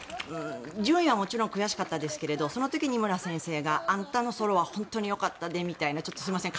順位はもちろん悔しかったですがその時に井村先生が、あんたのソロは本当によかったでみたいなすいません。